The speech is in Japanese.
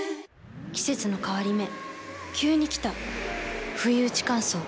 季節の変わり目急に来たふいうち乾燥。